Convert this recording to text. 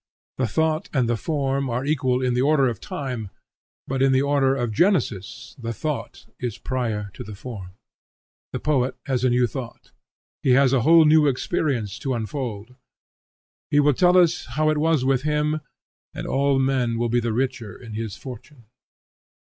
The thought and the form are equal in the order of time, but in the order of genesis the thought is prior to the form. The poet has a new thought; he has a whole new experience to unfold; he will tell us how it was with him, and all men will be the richer in his fortune.